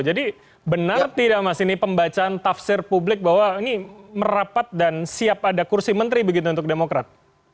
jadi benar tidak mas ini pembacaan tafsir publik bahwa ini merapat dan siap ada kursi menteri begitu untuk demokrat